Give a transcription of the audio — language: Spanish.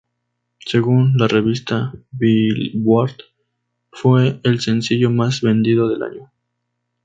Según la revista "Billboard", fue el sencillo más vendido del año.